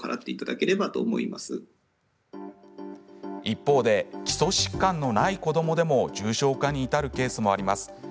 一方で基礎疾患のない子どもでも重症化に至るケースもあります。